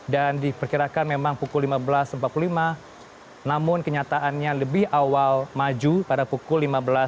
dan diperkirakan memang pukul lima belas empat puluh lima namun kenyataannya lebih awal maju pada pukul lima belas dua puluh lima